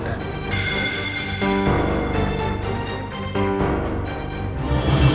andi pernah disini